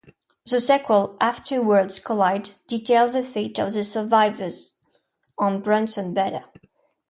The sequel, "After Worlds Collide", details the fate of the survivors on Bronson Beta.